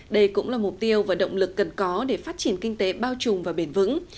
đây cũng là mục tiêu và động lực cần có để phát triển kinh tế bao trùng và bền vững